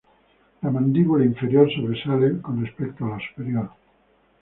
La mandíbula inferior sobresale con respecto a la superior.